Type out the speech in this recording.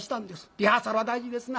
リハーサルは大事ですな。